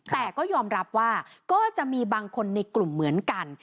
แต่ก็ยอมรับว่าก็จะมีบางคนในกลุ่มเหมือนกัน